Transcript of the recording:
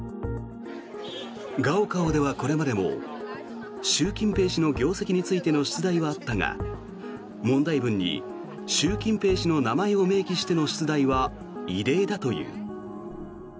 高考では、これまでも習近平氏の業績についての出題はあったが問題文に習近平氏の名前を明記しての出題は異例だという。